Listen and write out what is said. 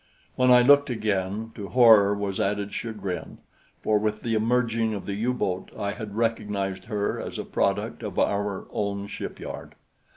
When I looked again to horror was added chagrin, for with the emerging of the U boat I had recognized her as a product of our own shipyard.